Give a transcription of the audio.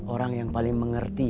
orang yang paling mengerti